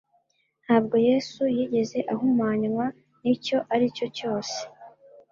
Ntabwo Yesu yigeze ahumanywa n'icyo aricyo cyose,